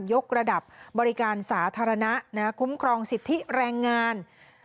กระดับบริการสาธารณะคุ้มครองสิทธิแรงงาน